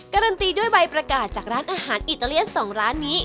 การันตีด้วยใบประกาศจากร้านอาหารอิตาเลียน๒ร้านนี้